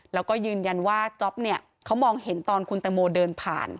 แล้วก็ยืนยันว่าจ๊อปเนี่ยเขามองเห็นตอนคุณตังโมเดินผ่าน